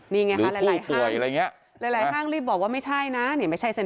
นี่ไงค่ะหลายห้างหรือผู้ป่วยอะไรเงี้ย